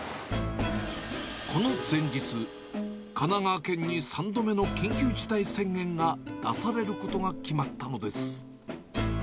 この前日、神奈川県に３度目の緊急事態宣言が出されることが決まったのです。